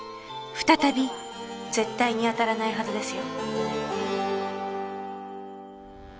今度は絶対に当たらないはずですよ。